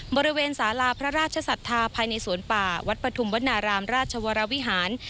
บริเวณสาราพระราชศรัทธาภายในสวนป่าวัดปฐุมวนารามราชวรวิหาร